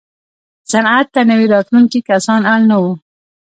صنعت ته نوي راتلونکي کسان اړ نه وو.